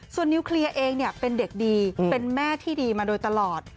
ส่วนนิวเคลียร์เองเป็นเด็กดีเป็นแม่ที่ดีมาโดยตลอด